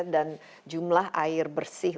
dan jumlah air bersih